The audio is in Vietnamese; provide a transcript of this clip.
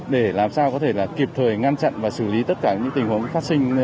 để làm sao có thể là kịp thời ngăn chặn và xử lý tất cả những tình huống phát sinh